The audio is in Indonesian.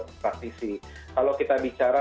praktisi kalau kita bicara